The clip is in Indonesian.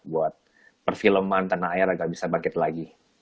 buat perfilman tenaga air agak bisa begitu lagi